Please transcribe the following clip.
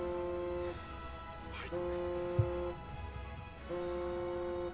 はい。